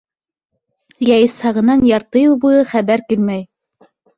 Йә Исхағынан ярты йыл буйы хәбәр килмәй.